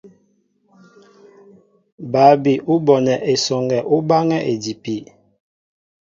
Bǎ bi ú bonɛ esɔŋgɛ ú báŋɛ́ idipi.